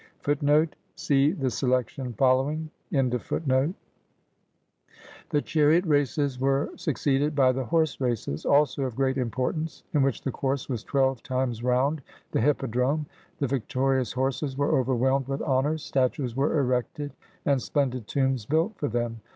^ The chariot races were succeeded by the horse races, also of great importance, in which the course was twelve times round the hippodrome. The victorious horses were overwhelmed with honors, statues were erected, and splendid tombs built for them.